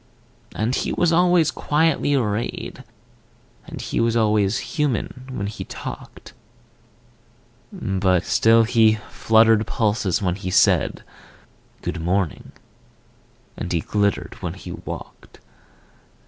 And he was always quietly arrayed, And he was always human when he talked; But still he fluttered pulses when he said, "Good morning," and he glittered when he walked.